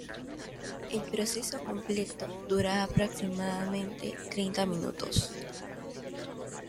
El proceso completo duraba aproximadamente treinta minutos.